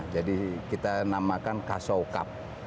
jadi kita namakan kasau cup